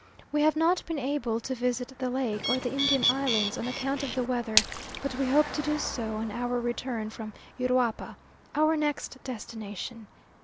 We have not been able to visit the lake, or the Indian islands on account of the weather, but we hope to do so on our return from Uruapa, our next destination.